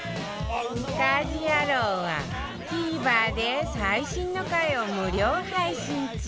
『家事ヤロウ！！！』は ＴＶｅｒ で最新の回を無料配信中